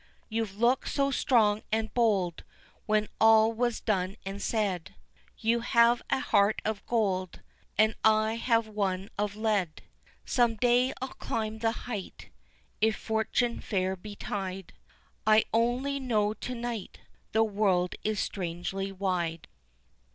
You looked so strong and bold when all was done and said You have a heart of gold and I have one of lead Some day I'll climb the height, if fortune fair betide, I only know to night the world is strangely wide.